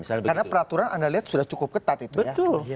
karena peraturan anda lihat sudah cukup ketat itu ya